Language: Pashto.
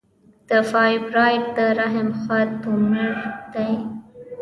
د فایبروایډ د رحم ښه تومور دی.